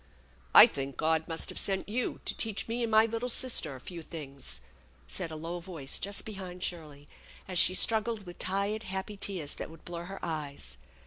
"I think God must have sent you to teach me and my tattle sister a few things," said a low voice just behind Shirley as she struggled with tired, happy tears that would blur her eyes.